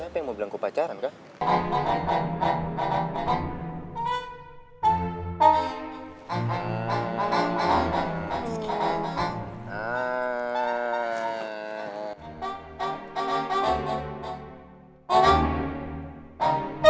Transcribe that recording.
siapa yang mau bilang aku pacaran kak